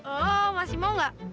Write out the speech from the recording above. oh masih mau nggak